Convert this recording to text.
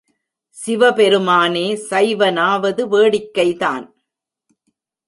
சிவபெருமானே சைவனாவது வேடிக்கைதான்.